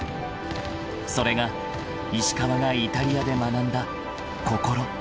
［それが石川がイタリアで学んだ心］